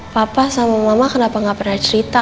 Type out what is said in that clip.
papa sama mama kenapa gak pernah cerita